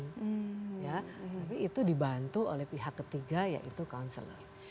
tapi itu dibantu oleh pihak ketiga yaitu counselor